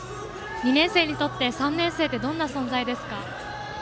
２年生にとって３年生はどんな存在ですか？